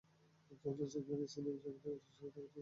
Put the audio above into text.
Charles Chaplin senior এবং Jacques Tati একসাথে অভিনয় করেছেন।